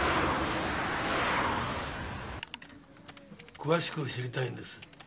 詳しく知りたいんです。